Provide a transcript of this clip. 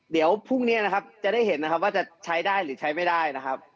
เดี๋ยวพรุ่งนี้นะครับจะได้เห็นนะครับว่าจะใช้ได้หรือใช้ไม่ได้นะครับ